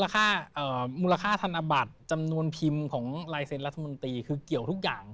มูลค่าธนบัตรจำนวนพิมพ์ของลายเซ็นรัฐมนตรีคือเกี่ยวทุกอย่าง